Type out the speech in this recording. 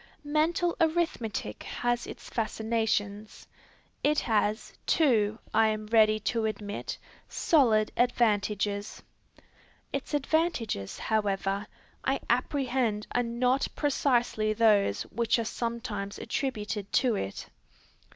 Mental arithmetic has its fascinations. It has, too, I am ready to admit, solid advantages. Its advantages, however, I apprehend are not precisely those which are sometimes attributed to it.